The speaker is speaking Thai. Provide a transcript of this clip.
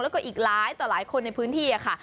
แล้วก็อีกหลายต่อหลายคนในพื้นที่ค่ะ